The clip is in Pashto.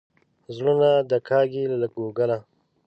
زړونه کاږي له کوګله.